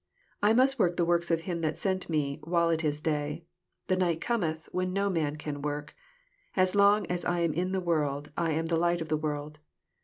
4 I must work the works of him that sent me, while it is day: the night Cometh, when no man can work. 6 As long as I am in the world, I am the light of the world.